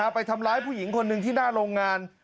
ไปทำร้ายผู้หญิงคนหนึ่งที่หน้าโรงงาน